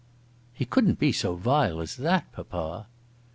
"He couldn't be so vile as that, papa!"